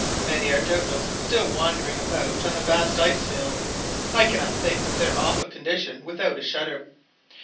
Many are doubtless still wandering about on the vast ice fields. I cannot think of their awful condition without a shudder.